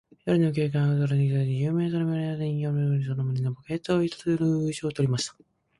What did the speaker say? ひとりの警官が、ふとそれに気づいて、二十面相の身がわりになった人形の上にかがみこみ、その胸のポケットから一通の封書をぬきとりました。